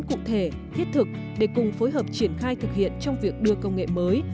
cụ thể thiết thực để cùng phối hợp triển khai thực hiện trong việc đưa công nghệ mới